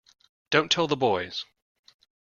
Don't tell the boys!